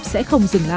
sẽ không dừng lại